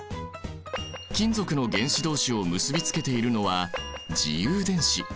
金属の原子どうしを結びつけているのは自由電子。